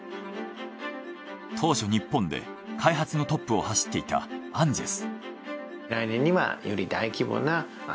当初日本で開発のトップを走っていたアンジェス。